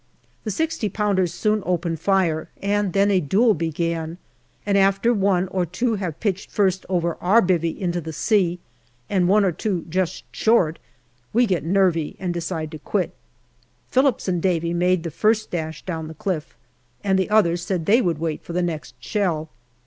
The 6o pounders soon opened fire, and then a duel began ; and after one or two have pitched first over our " bivvy " into the sea, and one or two just short, we get nervy and decide to quit. Phillips and Davy made the first dash down the cliff, and the others said they would wait for the next shell.